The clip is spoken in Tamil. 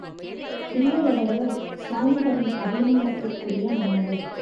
பிள்ளையவர்கள் சுவாமிகளின் அபிமானத்திற்குரிய மாணவர்.